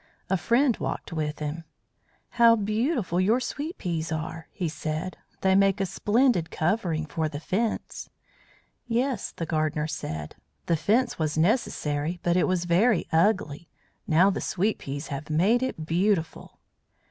A friend walked with him. "How beautiful your sweet peas are!" he said. "They make a splendid covering for the Fence." "Yes," the gardener said. "The Fence was necessary, but it was very ugly. Now the sweet peas have made it beautiful."